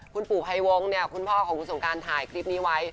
คุณปู่พยวงคุณพ่อของส่งการภายคริปนี้ไว้